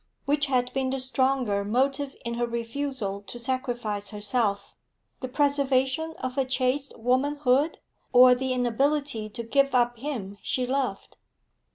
Which had been the stronger motive in her refusal to sacrifice herself the preservation of her chaste womanhood, or the inability to give up him she loved?